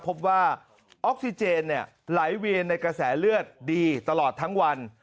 พบว่าออกซิเจนไหลเวียนในกระแสเลือดดีตลอดทั้งวัน